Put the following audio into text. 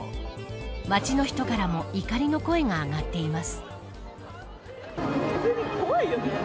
街の人からも怒りの声が上がっています。